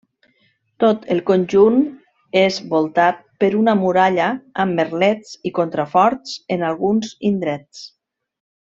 Tot el conjunt és voltat per una muralla amb merlets i contraforts en alguns indrets.